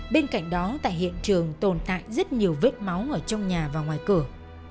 bên cạnh đó tại hiện trường tồn tại rất nhiều vết máu ở trong nhà và ngoài cửa